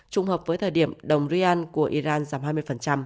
trung hợp với thời điểm đồng ryan của iran giảm hai mươi